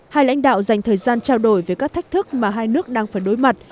hai lãnh đạo dành thời gian trao đổi về các thách thức mà hai nước đang phải đối mặt